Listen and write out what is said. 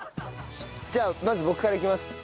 じゃあまず僕からいきます。